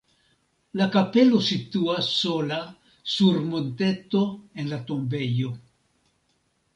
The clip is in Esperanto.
La kapelo situas sola sur monteto en la tombejo.